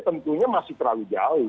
tentunya masih terlalu jauh